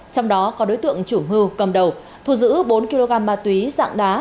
trong đó có đối tượng chủ mưu cầm đầu thu giữ bốn kg ma túy dạng đá